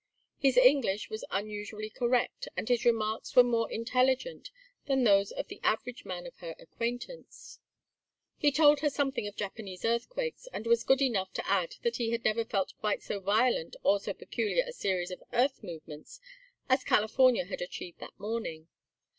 His English was unusually correct and his remarks were more intelligent than those of the average man of her acquaintance. He told her something of Japanese earthquakes, and was good enough to add that he had never felt quite so violent or so peculiar a series of earth movements as California had achieved that morning.